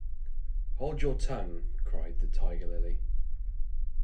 ‘Hold your tongue!’ cried the Tiger-lily.